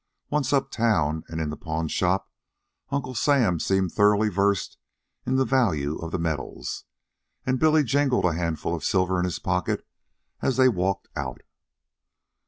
Once up town and in the pawnshop, Uncle Sam seemed thoroughly versed in the value of the medals, and Billy jingled a handful of silver in his pocket as they walked out.